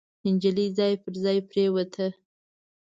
نجلۍ ځای پر ځای پريوته.